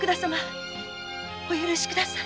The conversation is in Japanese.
お許しください。